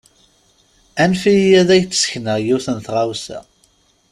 Anef-iyi ad ak-d-sekneɣ yiwet n tɣawsa.